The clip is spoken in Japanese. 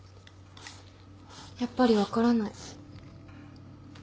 やっぱり分からない。